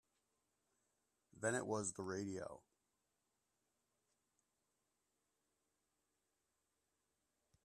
Then it was the radio.